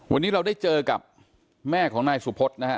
วันนี้เราได้เจอกับแม่ของนายสุพธนะฮะ